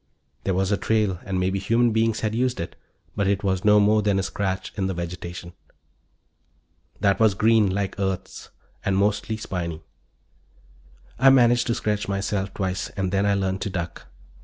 There was a trail, and maybe human beings had used it, but it was no more than a scratch in the vegetation. That was green, like Earth's, and mostly spiny. I managed to scratch myself twice and then I learned to duck.